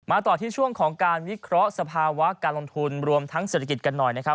ต่อที่ช่วงของการวิเคราะห์สภาวะการลงทุนรวมทั้งเศรษฐกิจกันหน่อยนะครับ